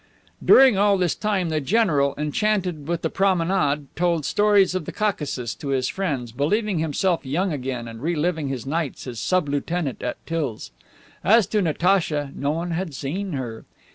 During all this time the general, enchanted with the promenade, told stories of the Caucasus to his friends, believing himself young again and re living his nights as sub lieutenant at Tills. As to Natacha, no one had seen her.